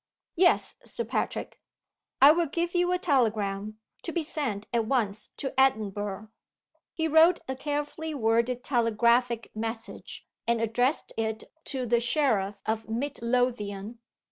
"Yes, Sir Patrick." "I will give you a telegram, to be sent at once to Edinburgh." He wrote a carefully worded telegraphic message, and addressed it to The Sheriff of Mid Lothian.